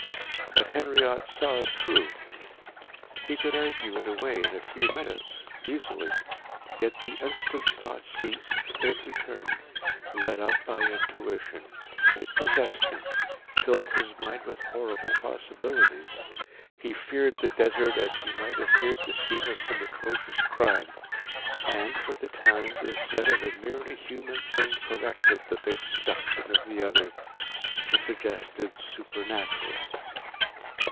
But Henriot saw it true. He could argue it away in a few minutes easily. Yet the instant thought ceased, it returned, led up by intuition. It possessed him, filled his mind with horrible possibilities. He feared the Desert as he might have feared the scene of some atrocious crime. And, for the time, this dread of a merely human thing corrected the big seduction of the other the suggested "super natural."